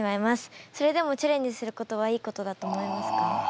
それでもチャレンジすることはいいことだと思いますか？